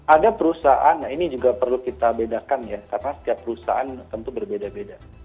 ada perusahaan ini juga perlu kita bedakan ya karena setiap perusahaan tentu berbeda beda